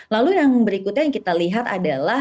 lalu yang berikutnya yang kita lihat adalah